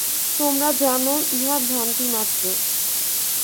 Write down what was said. তোমরা জান, ইহা ভ্রান্তিমাত্র।